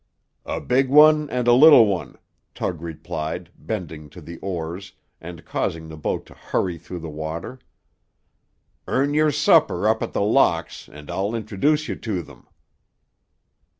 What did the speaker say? "A big one and a little one," Tug replied, bending to the oars, and causing the boat to hurry through the water. "Earn your supper up at The Locks, and I'll introduce you to them."